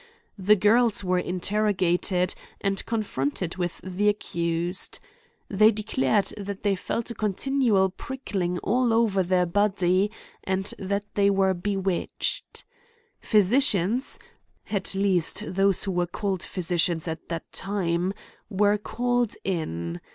The girls were interrogated, and confronted with the accused. They declared that they felt a continu al pricking all over their bodies, and thatthey were bewitched. Phvsicians, at least those who were called physicians at that time, were called in.